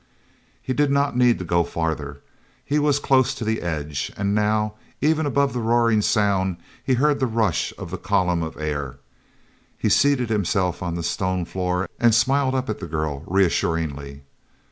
He did not need to go farther. He was close to the edge. And now, even above that roaring sound he heard the rush of the column of air. He seated himself on the stone floor and smiled up at the girl reassuringly.